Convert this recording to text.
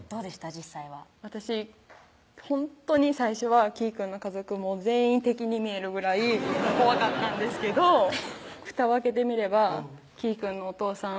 実際は私ほんとに最初はきーくんの家族全員敵に見えるぐらい怖かったんですけどふたを開けてみればきーくんのお父さん